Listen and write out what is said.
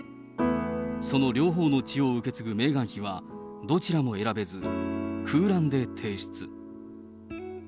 その両方の血を受け継ぐメーガン妃は、どちらも選べず、空欄で提出。